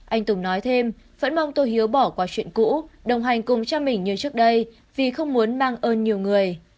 anh tùng nói thêm vẫn mong tôi hiếu bỏ qua chuyện cũ đồng hành cùng cho mình như trước đây vì không muốn mang ơn nhiều người